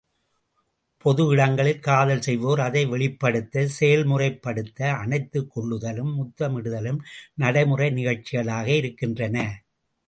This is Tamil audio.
பொது இடங்களில் காதல் செய்வோர் அதை வெளிப்படுத்த, செயல்முறைப்படுத்த அணைத்துக் கொள்ளுதலும் முத்தமிடுதலும் நடைமுறை நிகழ்ச்சிகளாக இருக்கின்றன.